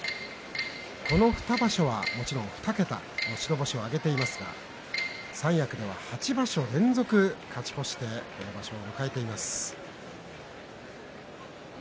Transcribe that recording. この２場所はもちろん２桁の白星を挙げていますが三役では８場所連続勝ち越しでこの場所を迎えています。